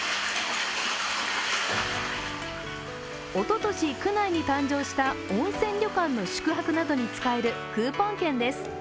おととし、区内に誕生した温泉旅館の宿泊などに使えるクーポン券です。